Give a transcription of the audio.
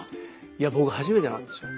いや僕初めてなんですよ。